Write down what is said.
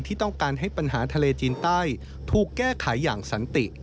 ที่ต้องการให้ปัญหาทะเลจีนใต้ถูกแก้ไขอย่างสันติ